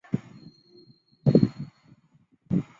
中华碘泡虫为碘泡科碘泡虫属的动物。